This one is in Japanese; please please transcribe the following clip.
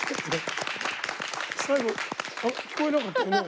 最後聞こえなかったよね？